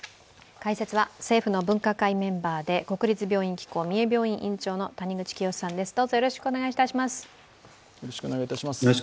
解説は政府の分科会メンバーで国立病院機構三重病院院長の谷口清州さんです。